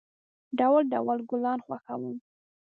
ډول، ډول گلان خوښوم.